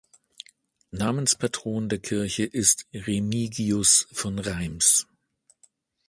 Namenspatron der Kirche ist Remigius von Reims.